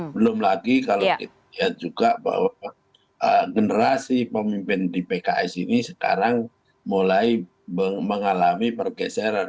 belum lagi kalau kita lihat juga bahwa generasi pemimpin di pks ini sekarang mulai mengalami pergeseran